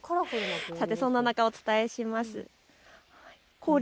そんな中、お伝えします。